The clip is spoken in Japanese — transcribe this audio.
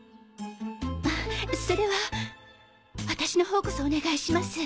あっそれは私のほうこそお願いします。